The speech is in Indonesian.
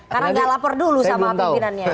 karena gak lapor dulu sama pimpinannya